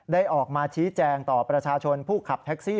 ออกมาชี้แจงต่อประชาชนผู้ขับแท็กซี่